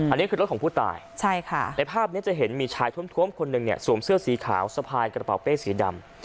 อันนี้คือรถของผู้ตายในภาพนี้จะเห็นมีชายท้วมคนหนึ่งเนี่ยสวมเสื้อสีขาวสะพายกระเป๋าเป้สีดำ